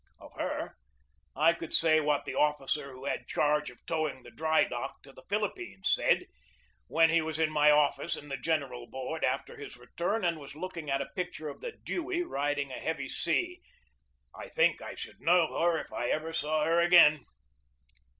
Of her I could say what the officer who had charge of towing the dry dock to the Philippines said, when he was in my office in the General Board after his return and was looking at a picture of the Dewey riding a heavy sea :" I think I should know her if I ever saw her again